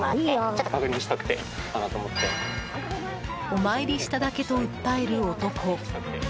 お参りしただけと訴える男。